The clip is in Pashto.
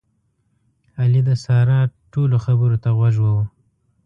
علي د سارې ټولو خبرو ته غوږ و.